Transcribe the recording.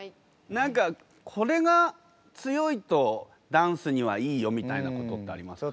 何かこれが強いとダンスにはいいよみたいなことってありますか？